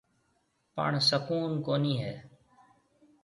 پڻ سُڪوُن ڪونِي هيَ۔